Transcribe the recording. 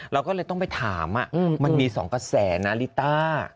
เราก็เลยต้องไปถามมันมี๒กระแสนะลิต้า